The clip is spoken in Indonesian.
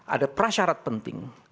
ada prasyarat penting